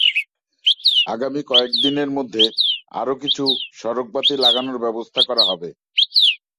আগামী কয়েক দিনের মধ্যে আরও কিছু সড়কবাতি লাগানোর ব্যবস্থা করা হবে।